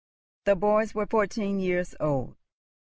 The boys were fourteen years old.